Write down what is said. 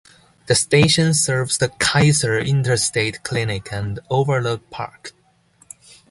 The station serves the Kaiser Interstate Clinic and Overlook Park.